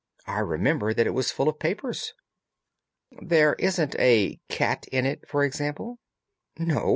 I remember that it was full of papers." "There isn't a cat in it, for example?" "No.